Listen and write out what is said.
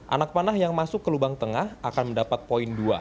anak panah yang masuk ke lubang tengah akan mendapat poin dua